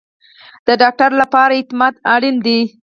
د ډاکټر لپاره اعتماد اړین دی